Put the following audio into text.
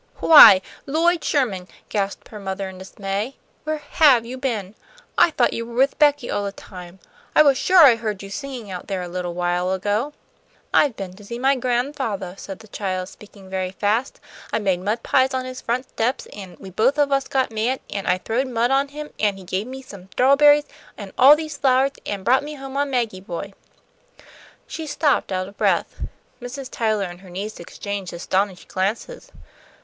"Why, Lloyd Sherman!" gasped her mother, in dismay. "Where have you been? I thought you were with Becky all the time. I was sure I heard you singing out there a little while ago." "I've been to see my gran'fathah," said the child, speaking very fast. "I made mud pies on his front 'teps, an' we both of us got mad, an' I throwed mud on him, an' he gave me some 'trawberries an' all these flowers, an' brought me home on Maggie Boy." She stopped out of breath. Mrs. Tyler and her niece exchanged astonished glances.